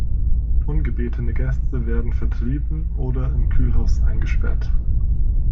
Ungebetene Gäste werden vertrieben oder im Kühlhaus eingesperrt.